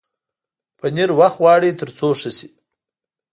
پنېر وخت غواړي تر څو ښه شي.